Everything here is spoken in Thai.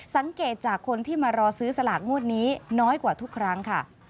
สังเกตจากคนที่มารอซื้อสลากงวดนี้น้อยกว่าทุกครั้งค่ะ